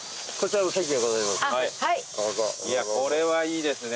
これはいいですね。